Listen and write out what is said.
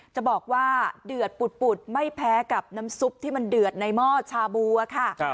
จะบอกว่าเดือดปุดไม่แพ้กับน้ำซุปที่มันเดือดในหม้อชาบัวค่ะ